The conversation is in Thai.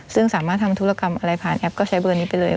ซึ่งสามารถทำธุรกรรมอะไรผ่านแอปก็ใช้เบอร์นี้ไปเลย